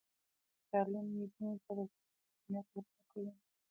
تعلیم نجونو ته د زکات اهمیت ور زده کوي.